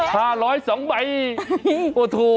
พระโธ่